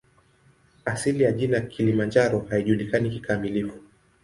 Asili ya jina "Kilimanjaro" haijulikani kikamilifu.